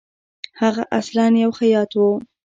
هغه اصلاً یو خیاط وو.